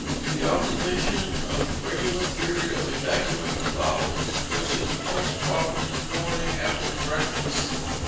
The observance of a regular period of evacuating the bowels, which is most proper in the morning after breakfast.